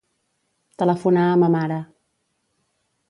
Telefonar a ma mare.